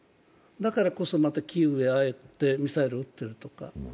だからこそまた、キーウへミサイルを撃っているというか。